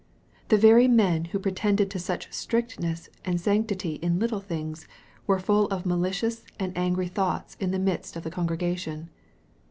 The very men who pre tended to such strictness and sanctity in little things, were full of malicious and angry thoughts in the midst of the congregation.